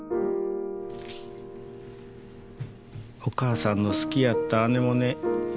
お母さんの好きやったアネモネ